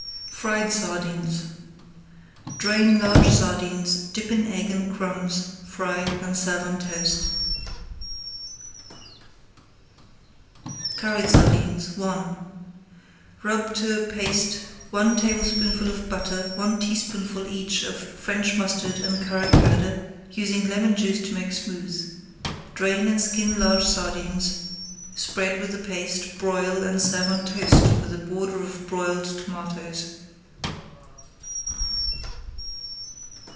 FRIED SARDINES Drain large sardines, dip in egg and crumbs, fry, and serve on toast. CURRIED SARDINES I Rub to a paste one tablespoonful of butter, one teaspoonful each of French mustard and curry powder, using lemon juice to make smooth. Drain and skin large sardines, spread with the paste, broil, and serve on toast with a border of broiled tomatoes.